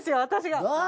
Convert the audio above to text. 私が。